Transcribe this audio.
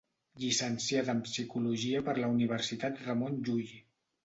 Llicenciada en Psicologia per la Universitat Ramon Llull.